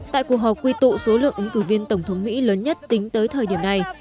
tại cuộc họp quy tụ số lượng ứng cử viên tổng thống mỹ lớn nhất tính tới thời điểm này